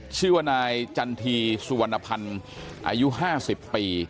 ชื่อว่านายจันทีสุวรรณพันธ์อายุ๕๐ปี